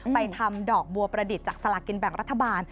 ไปทำดอกบัวประดิษฐ์จากสลากินแบ่งรัฐบาล